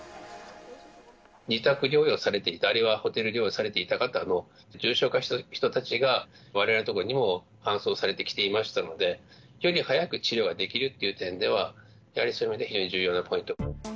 自宅療養されていたりあるいはホテル療養されていた方の重症化した人たちがわれわれの所にも搬送されてきていましたので、非常に早く治療ができるという点では、やはりそういう意味で非常に重要なポイント。